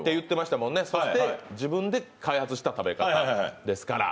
そして自分で開発した食べ方ですから。